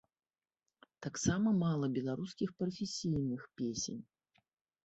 Таксама мала беларускіх прафесійных песень.